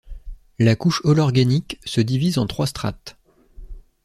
La couche holorganique se divise en trois strates.